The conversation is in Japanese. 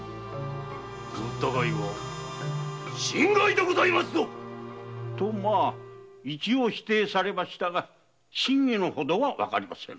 お疑いは心外でございますぞ！と一応否定されましたが真偽のほどは判りませぬ。